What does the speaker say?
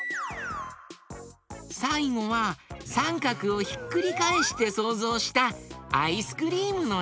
さいごはさんかくをひっくりかえしてそうぞうしたアイスクリームのえだよ。